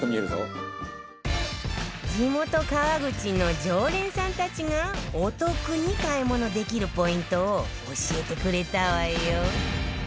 地元川口の常連さんたちがお得に買い物できるポイントを教えてくれたわよ